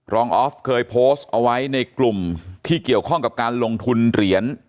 ออฟเคยโพสต์เอาไว้ในกลุ่มที่เกี่ยวข้องกับการลงทุนเหรียญ